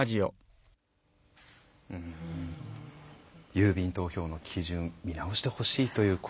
郵便投票の基準見直してほしいという声。